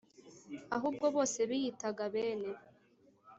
Ahubwo Bose Biyitaga Bene